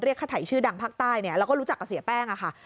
เรียกคาถัยชื่อดังภาคใต้เราก็รู้จักกับเสียแป้งค่ะ